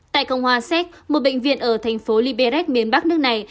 tại công hòa séc một bệnh viện ở thành phố liberek miền bắc nước này